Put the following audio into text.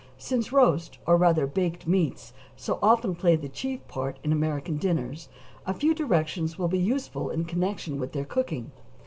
Since roast or rather baked meats so often play the chief part in American dinners, a few directions will be useful in connection with their cooking.